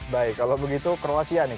baik kalau begitu kroasia nih